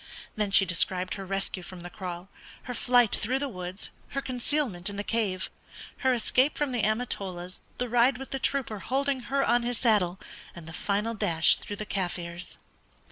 Then she described her rescue from the kraal, her flight through the woods, her concealment in the cave, her escape from the Amatolas, the ride with the trooper holding her on his saddle, and the final dash through the Kaffirs.